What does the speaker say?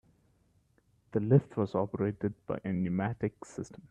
The lift was operated by a pneumatic system.